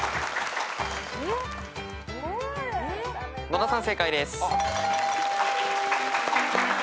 野田さん正解です。